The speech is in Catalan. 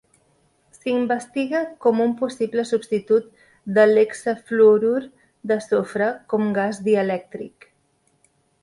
S'investiga com un possible substitut de l'hexafluorur de sofre com gas dielèctric.